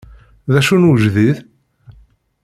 D acu n wejdid?